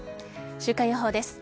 週間予報です。